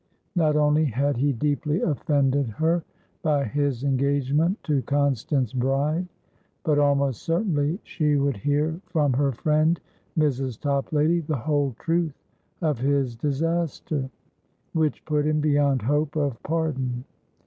Not only had he deeply offended her by his engagement to Constance Bride, but almost certainly she would hear from her friend Mrs. Toplady the whole truth of his disaster, which put him beyond hope of pardon.